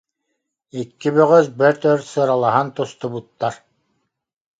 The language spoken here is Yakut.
Икки бөҕөс бэрт өр сыралаһан тустубуттар